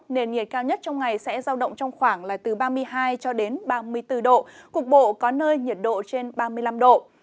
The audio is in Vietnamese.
nền nhiệt cao nhất trong ngày sẽ giao động trong khoảng là từ ba mươi hai cho đến ba mươi bốn độ cục bộ có nơi nhiệt độ trên ba mươi năm độ